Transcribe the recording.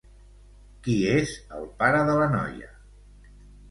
Qui és el pare de la noia?